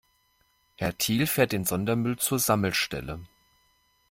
Herr Thiel fährt den Sondermüll zur Sammelstelle.